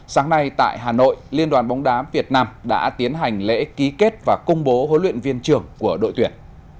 sáng nay tại hà nội liên đoàn bóng đá việt nam đã tiến hành lễ ký kết và công bố huấn luyện viên trưởng của đội tuyển